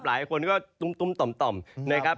หลายคนก็ตุ้มต่อมนะครับ